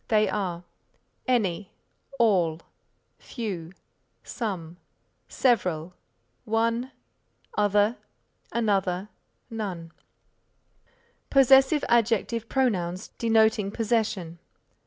They are any, all, few, some, several, one, other, another, none. Possessive Adjective Pronouns denoting possession.